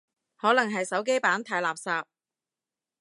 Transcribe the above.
可能係手機版太垃圾